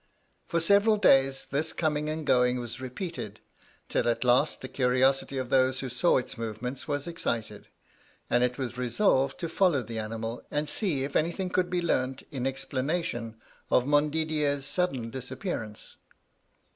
For several days this coming and going was repeated, till at last the curiosity of those who saw its movements was excited, and it was resolved to follow the animal, and see if anything could be learned in explanation of Montdidier's sudden disappearance.